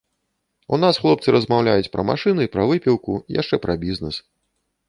У нас хлопцы размаўляюць пра машыны, пра выпіўку, яшчэ пра бізнес.